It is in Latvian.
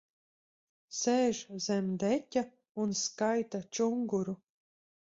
Sēž zem deķa un skaita čunguru.